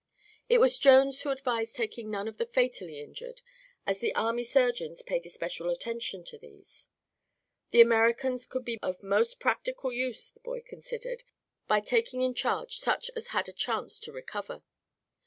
It was Jones who advised taking none of the fatally injured, as the army surgeons paid especial attention to these. The Americans could be of most practical use, the boy considered, by taking in charge such as had a chance to recover.